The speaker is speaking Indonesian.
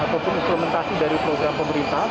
ataupun implementasi dari program pemerintah